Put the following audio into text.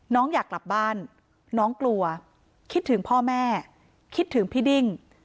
อยากกลับบ้านน้องกลัวคิดถึงพ่อแม่คิดถึงพี่ดิ้ง